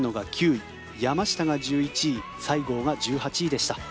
９位山下が１１位西郷が１８位でした。